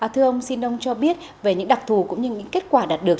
thưa ông xin ông cho biết về những đặc thù cũng như những kết quả đạt được